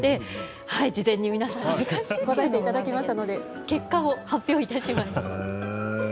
事前に皆さんに答えていただきましたので結果を発表いたします。